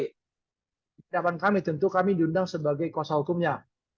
di hadapan kami tentu kami diundang sebagai kuasa hukumnya